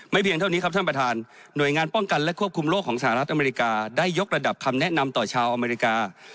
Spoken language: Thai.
เพียงเท่านี้ครับท่านประธานหน่วยงานป้องกันและควบคุมโลกของสหรัฐอเมริกาได้ยกระดับคำแนะนำต่อชาวอเมริกา